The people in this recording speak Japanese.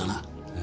え？